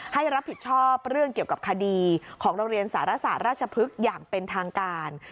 ให้รับผิดชอบเรื่องเกี่ยวกับคดีของโรงเรียนสารศาสตร์ราชพฤกษ์อย่างเป็นทางการ